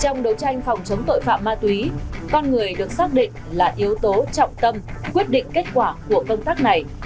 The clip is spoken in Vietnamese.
trong đấu tranh phòng chống tội phạm ma túy con người được xác định là yếu tố trọng tâm quyết định kết quả của công tác này